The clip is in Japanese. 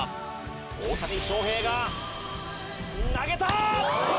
大谷翔平が投げた！